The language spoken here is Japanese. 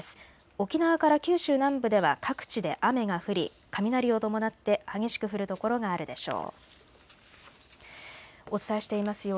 沖縄から九州南部では各地で雨が降り雷を伴って激しく降る所があるでしょう。